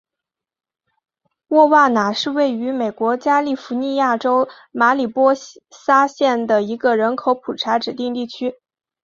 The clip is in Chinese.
瓦沃纳是位于美国加利福尼亚州马里波萨县的一个人口普查指定地区。